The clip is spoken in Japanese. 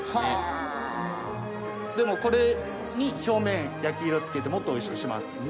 これに表面焼き色つけてもっとおいしくします。